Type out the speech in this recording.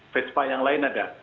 vespa yang lain ada